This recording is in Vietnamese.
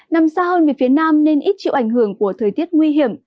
nằm xa hơn về phía nam nên ít chịu ảnh hưởng của thời tiết nguy hiểm